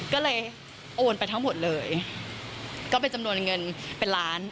ก็เลยโอนไปทั้งหมดเลยก็เป็นจำนวนเงินเป็นล้าน